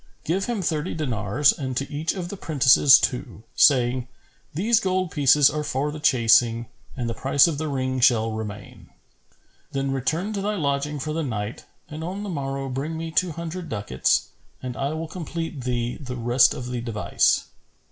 Give him thirty dinars and to each of the prentices two, saying, 'These gold pieces are for the chasing and the price of the ring shall remain.' Then return to thy lodging for the night and on the morrow bring me two hundred ducats, and I will complete thee the rest of the device."